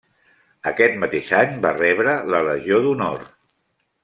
Aquest mateix any va rebre la Legió d'Honor.